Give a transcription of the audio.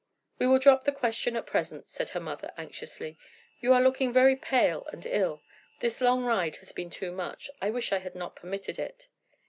"We will drop the question at present," said her mother, anxiously. "You are looking very pale and ill. This long ride has been too much. I wish I had not permitted it."